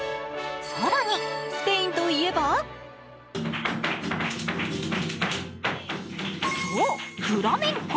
更に、スペインといえばそうフラメンコ。